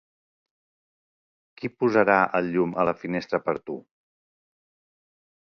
Qui posarà el llum a la finestra per tu.